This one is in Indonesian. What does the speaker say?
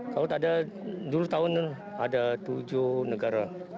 kalau ada dulu tahun ada tujuh negara